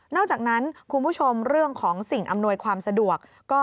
เป็นขบวนรถที่จะช่วยลดปัญหามลภาวะทางอากาศได้ด้วยค่ะ